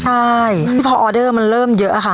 ใช่พอออเดอร์มันเริ่มเยอะค่ะ